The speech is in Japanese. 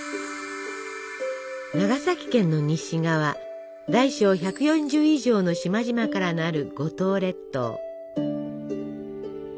長崎県の西側大小１４０以上の島々からなる五島列島。